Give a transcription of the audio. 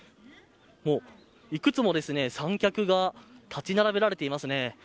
もう、幾つも三脚が立ち並べられていますね。